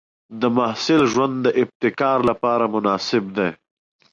د محصل ژوند د ابتکار لپاره مناسب دی.